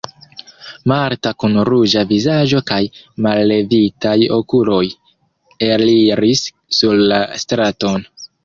Marta kun ruĝa vizaĝo kaj mallevitaj okuloj eliris sur la straton.